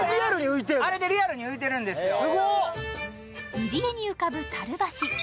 入江に浮かぶ、たる橋。